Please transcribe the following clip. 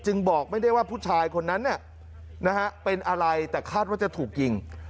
บอกไม่ได้ว่าผู้ชายคนนั้นเป็นอะไรแต่คาดว่าจะถูกยิง